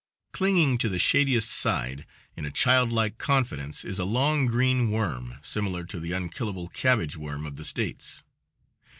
Clinging to the shadiest side, in a childlike confidence, is a long green worm, similar to the unkillable cabbage worm of the States.